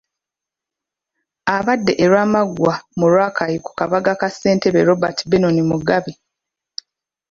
Abadde e Lwamaggwa mu Rakai ku kabaga ka ssentebe Robert Benon Mugabi